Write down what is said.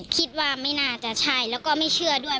คิดว่าไม่น่าจะใช่แล้วก็ไม่เชื่อด้วย